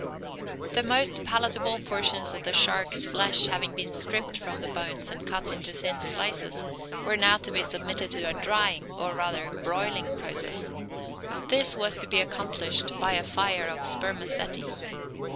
The most palatable portions of the sharks' flesh having been stripped from the bones and cut into thin slices, were now to be submitted to a drying, or rather broiling process. This was to be accomplished by a fire of spermaceti.